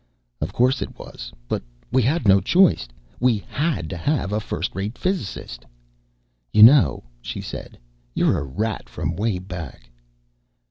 "Of course it was. But we had no choice. We had to have a first rate physicist." "You know," she said, "you're a rat from way back."